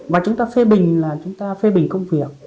và chúng ta phê bình là chúng ta phê bình công việc